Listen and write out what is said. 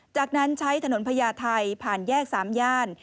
จากนั้นใช้ถนนพญาไทยผ่านแยก๓ย่าน